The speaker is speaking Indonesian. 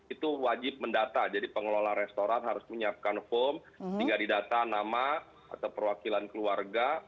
itu wajib mendata jadi pengelola restoran harus menyiapkan form tinggal didata nama atau perwakilan keluarga